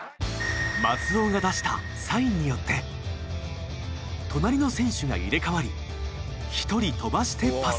松尾が出したサインによって隣の選手が入れ代わり１人飛ばしてパス。